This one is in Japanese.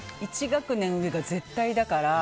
１学年上が絶対だから。